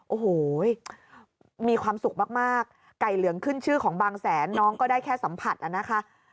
โอ้โหมีความสุขมากไก่เหลืองขึ้นชื่อของบางแสนน้องก็ได้แค่สัมผัสนะคะ